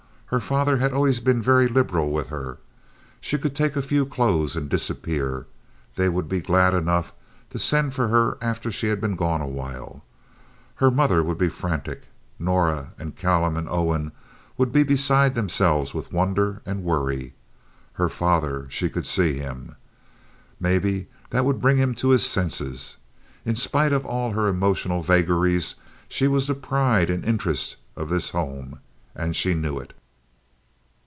Her father had always been very liberal with her. She could take a few clothes and disappear. They would be glad enough to send for her after she had been gone awhile. Her mother would be frantic; Norah and Callum and Owen would be beside themselves with wonder and worry; her father—she could see him. Maybe that would bring him to his senses. In spite of all her emotional vagaries, she was the pride and interest of this home, and she knew it.